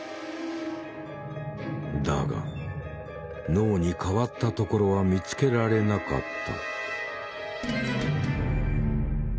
だが脳に変わったところは見つけられなかった。